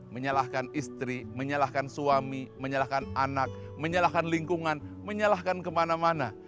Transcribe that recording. menyalahkan istri menyalahkan suami menyalahkan anak menyalahkan lingkungan menyalahkan kemana mana